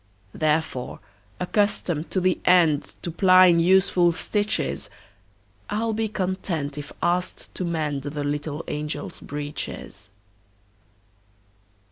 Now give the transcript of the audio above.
Therefore, accustomed to the endTo plying useful stitches,I 'll be content if asked to mendThe little angels' breeches.